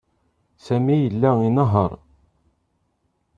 Sami yella inehheṛ.